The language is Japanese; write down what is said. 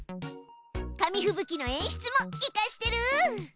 紙ふぶきの演出もイカしてる。